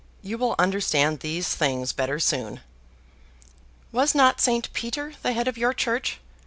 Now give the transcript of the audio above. You will understand these things better soon." "Was not Saint Peter the head of your church?